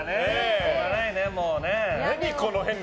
しょうがないね、もうね。